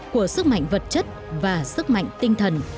của sức mạnh vật chất và sức mạnh tinh thần